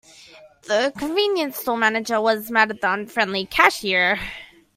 The convenience store manager was mad at the unfriendly cashier.